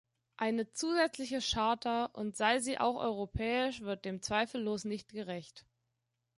Eine zusätzliche Charta und sei sie auch europäisch, wird dem zweifellos nicht gerecht.